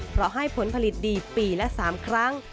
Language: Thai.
เพราะให้ผลผลิตดีปีละ๓ครั้ง